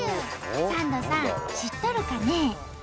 サンドさん知っとるかね？